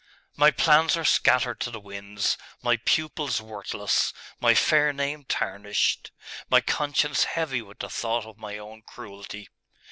My plans are scattered to the winds, my pupils worthless, my fair name tarnished, my conscience heavy with the thought of my own cruelty....